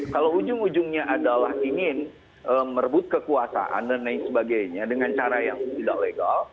kalau ujung ujungnya adalah ingin merebut kekuasaan dan lain sebagainya dengan cara yang tidak legal